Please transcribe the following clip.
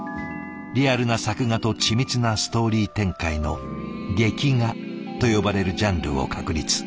リアルな作画と緻密なストーリー展開の劇画と呼ばれるジャンルを確立。